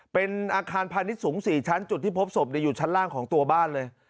เป็นอาคารพาณิชย์สูง๔ชั้นจุดที่พบศพอยู่ชั้นล่างของตัวบ้านเลย